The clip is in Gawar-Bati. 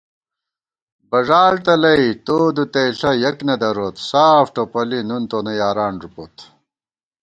بژاڑ تلَئ تو دُتَئیݪہ یَک نہ دروت ساف ٹوپَلی نُن تونہ یاران ژُپوت